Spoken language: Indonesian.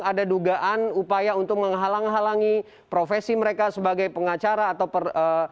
ada dugaan upaya untuk menghalang halangi profesi mereka sebagai pengacara atau